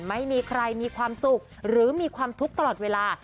ไม่มีใครมีความสุขหรือมีความทุกข์ตลอดเวลา